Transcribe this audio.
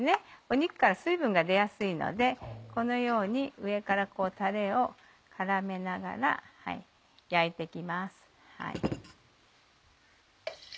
肉から水分が出やすいのでこのように上からたれを絡めながら焼いて行きます。